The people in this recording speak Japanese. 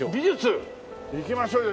行きましょうよ美術。